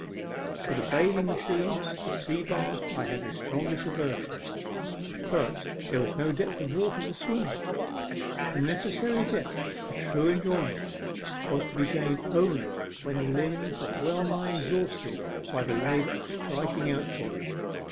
But for the bathing machine sea bath I had the strongest aversion. First, there was A MEMORABLE SWIM. 61 no depth of water for swimming. The necessary depth for true enjoyment was to be gained only when the limbs were well nigh exhausted by the labour of striking out for it.